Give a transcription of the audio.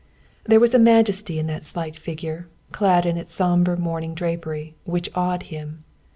There was a majesty in that slight figure, clad in its sombre mourning drapery, which awed him.